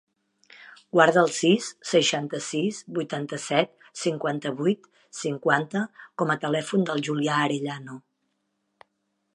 Guarda el sis, seixanta-sis, vuitanta-set, cinquanta-vuit, cinquanta com a telèfon del Julià Arellano.